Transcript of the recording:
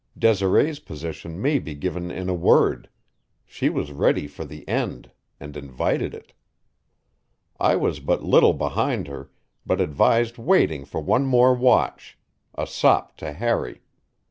Desiree's position may be given in a word she was ready for the end, and invited it. I was but little behind her, but advised waiting for one more watch a sop to Harry.